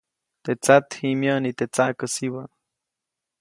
Teʼ tsat ji myäʼni teʼ tsaʼkäsibä.